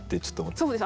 そうですね